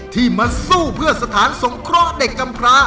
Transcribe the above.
ที่มาสู้เพื่อสถานสงเคราะห์เด็กกำพระ